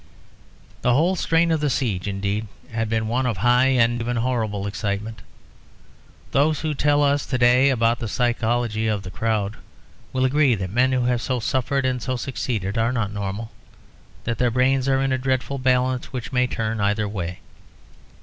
The whole strain of the siege indeed had been one of high and even horrible excitement. Those who tell us to day about the psychology of the crowd will agree that men who have so suffered and so succeeded are not normal; that their brains are in a dreadful balance which may turn either way.